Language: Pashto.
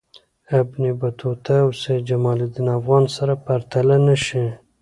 ابن بطوطه او سیدجماالدین افغان سره پرتله نه شي.